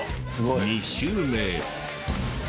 ２周目へ。